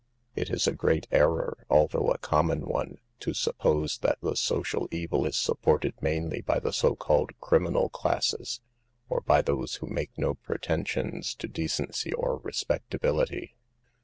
It is a great error, although a common one, to suppose that the social evil is supported mainly by the so called criminal classes, or by those who make no pretensions to decency or respectability.